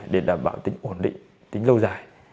để đảm bảo tính ổn định tính lâu dài